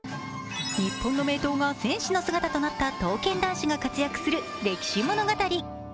日本の名刀が戦死の姿となった刀剣男士となり活躍する歴史物語。